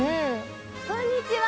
こんにちは！